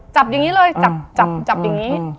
จับอย่างนี้เลยจับอย่างนี้